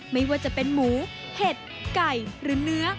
ไม่ว่าจะเป็นหมูเห็ดไก่หรือเนื้อ